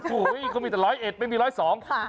อุ้ยคงมีแต่ร้อยเอ็ดไม่มีร้อยสอง